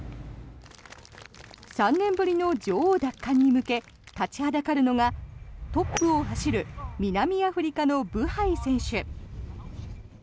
３年ぶりの女王奪還に向け立ちはだかるのがトップを走る南アフリカのブハイ選手。